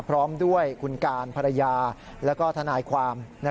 พร้อมด้วยคุณการภรรยาแล้วก็ทนายความ